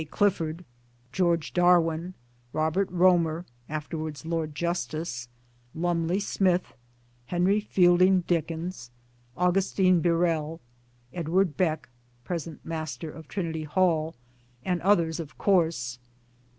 Clifford, George Darwin, Robert Romer (afterwards Lord Justice), Lumley Smith, Henry Fielding Dickens, CAMBRIDGE 7 5 Augustine Birrell, Edward Beck '(present Master of Trinity Hall), and others of course.